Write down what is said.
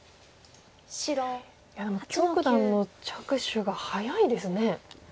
いやでも許九段の着手が早いですね。